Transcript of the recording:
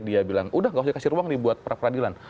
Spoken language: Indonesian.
dia bilang udah gak usah kasih ruang nih buat pra peradilan